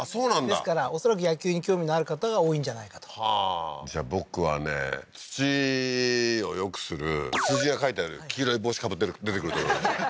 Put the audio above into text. ですから恐らく野球に興味のある方が多いんじゃないかとはあーじゃあ僕はね土をよくする数字が書いてある黄色い帽子かぶって出てくると思います